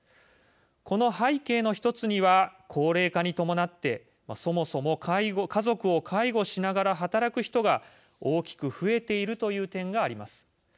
この背景の１つには高齢化に伴ってそもそも家族を介護しながら働く人が大きく増えているという点があります。